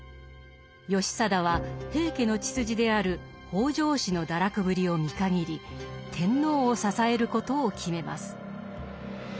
義貞は平家の血筋である北条氏の堕落ぶりを見限り天皇を支えることを決めます。